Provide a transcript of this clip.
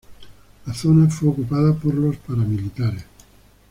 La zona fue ocupada por los paramilitares.